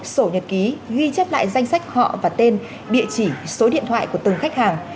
sổ nhật ký ghi chép lại danh sách họ và tên địa chỉ số điện thoại của từng khách hàng